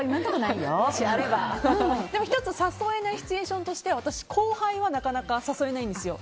１つ誘えないシチュエーションとしては私、後輩はなかなか誘えないんですよ。